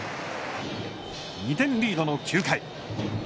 ２点リードの９回。